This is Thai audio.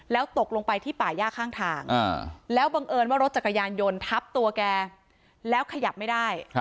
แล้วตกลงไปที่ป่าย่าข้างทางแล้วบังเอิญว่ารถจักรยานยนต์ทับตัวแกแล้วขยับไม่ได้